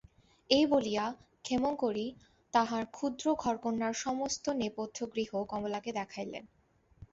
এই বলিয়া ক্ষেমংকরী তাঁহার ক্ষুদ্র ঘরকন্নার সমস্ত নেপথ্যগৃহ কমলাকে দেখাইলেন।